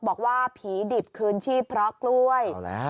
บอกว่าผีดิบคืนชีพเพราะกล้วย